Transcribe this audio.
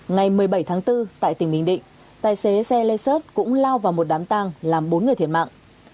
ngày một mươi bảy tháng bốn tại tỉnh bình định tài xế xe lê sơ cũng lao vào một đám tàng làm bốn người thiệt mạng